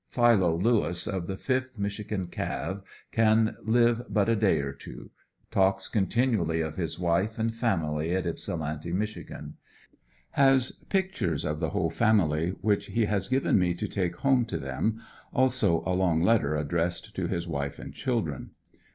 Philo Lewis, of the 5th Michigan Cav , can li^e but a day or two. Talks continually of his wife and family in Ypsilanti, Mich. Has pictures of the whole family, which he has given me to take home to them, also a long letter addressed to his wife and children.